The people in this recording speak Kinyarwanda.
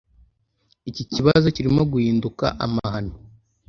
Iki kibazo kirimo guhinduka amahano.